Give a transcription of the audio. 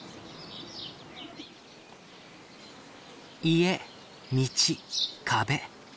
家道壁。